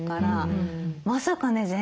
まさかね